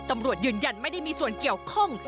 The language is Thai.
ตำรวจยืนยันไม่ได้มีส่วนเกี่ยวข้อง